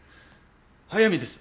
早水です。